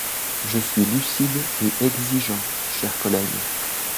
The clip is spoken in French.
Je suis lucide et exigeant, chers collègues.